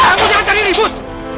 kamu jangan jadi ribut